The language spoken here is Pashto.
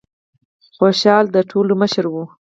خوشال د ټولو مشر و.